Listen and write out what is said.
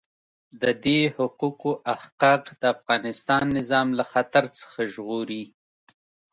د دې حقوقو احقاق د افغانستان نظام له خطر څخه ژغوري.